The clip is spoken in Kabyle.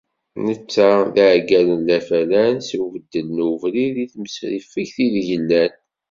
Netta d yiεeggalen n Lafalan s ubeddel n ubrid i temsrifegt ideg llan.